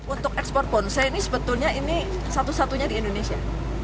untuk ekspor bonsai ini sebetulnya ini satu satunya di indonesia